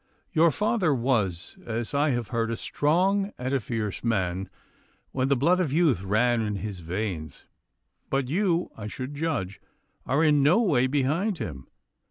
Your father was, as I have heard, a strong and a fierce man when the blood of youth ran in his veins; but you, I should judge, are in no way behind him.